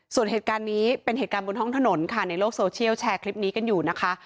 ส่วนเหตุการณ์นี้เป็นเหตุการณ์บนท้องถนนค่ะในโลกโซเชียลแชร์คลิปนี้กันอยู่นะคะ